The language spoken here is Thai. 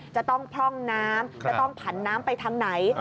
จะต้องพร่องน้ำจะต้องผันน้ำไปทางไหน